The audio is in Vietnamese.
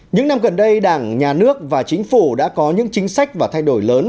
những năm gần đây đảng nhà nước và chính phủ đã có những chính sách và thay đổi lớn